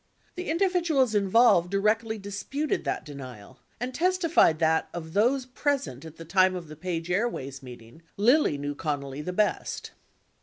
57 The individuals involved directly disputed that denial and testified that, of those present at the time of the Page Airways meeting, Lilly knew Connally the best.